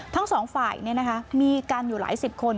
ทั้งสองฝ่ายมีกันอยู่หลายสิบคน